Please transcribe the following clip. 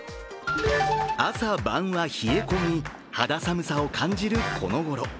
朝晩は冷え込み、肌寒さを感じるこの頃。